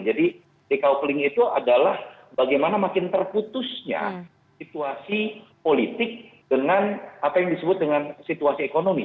jadi decoupling itu adalah bagaimana makin terputusnya situasi politik dengan apa yang disebut dengan situasi ekonomi